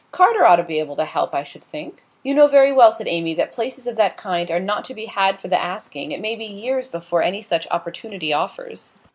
Carter ought to be able to help, I should think.' 'You know very well,' said Amy, 'that places of that kind are not to be had for the asking. It may be years before any such opportunity offers.